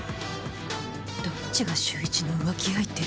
どっちが秀一の浮気相手。